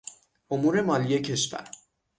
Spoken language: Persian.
امور مالی کشور